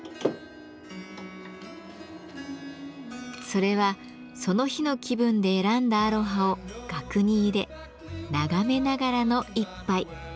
それはその日の気分で選んだアロハを額に入れ眺めながらの一杯。